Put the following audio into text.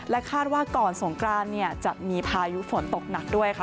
คาดว่าก่อนสงกรานเนี่ยจะมีพายุฝนตกหนักด้วยค่ะ